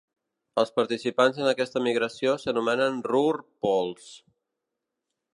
Els participants en aquesta migració s"anomenen Ruhr Poles.